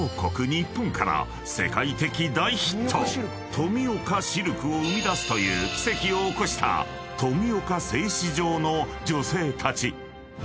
日本から世界的大ヒットトミオカシルクを生み出すという奇跡を起こした富岡製糸場の女性たち］